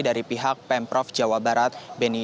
dari pihak pemprov jawa barat beni